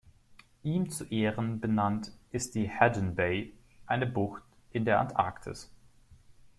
Ihm zu Ehren benannt ist die Haddon Bay, eine Bucht in der Antarktis.